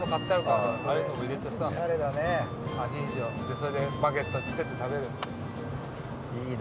それでバケットにつけて食べる。